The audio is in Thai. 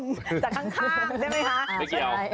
จากข้างข้างใช่ไหมคะ